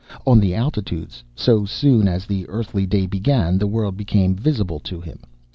On the altitudes, so soon as the earthly day began, the world became visible to him.